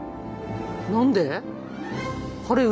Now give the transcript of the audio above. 何で？